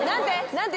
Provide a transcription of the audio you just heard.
何て？